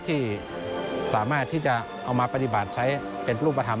ที่สามารถที่จะเอามาปฏิบัติใช้เป็นรูปธรรม